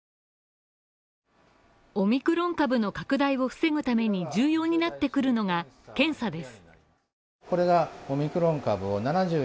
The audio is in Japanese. オミクロン株の拡大を防ぐために重要になってくるのが検査です。